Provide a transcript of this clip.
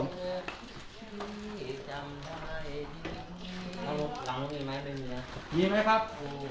มีไหมครับ